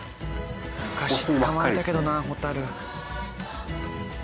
昔捕まえたけどなホタル。